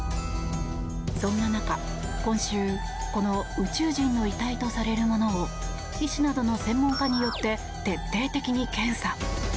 そんな中、今週この宇宙人の遺体とされるものを医師などの専門家によって徹底的に検査。